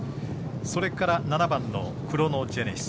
それから７番のクロノジェネシス。